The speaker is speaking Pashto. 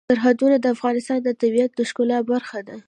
سرحدونه د افغانستان د طبیعت د ښکلا برخه ده.